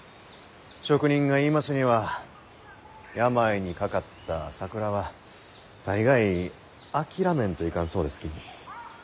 職人が言いますには病にかかった桜は大概諦めんといかんそうですき。